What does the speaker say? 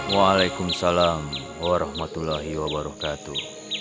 waalaikumsalam warahmatullahi wabarakatuh